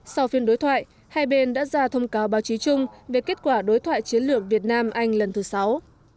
sau phiên đối thoại hai bên đã ra thông cáo báo chí chung về kết quả đối thoại chiến lược việt nam anh lần thứ sáu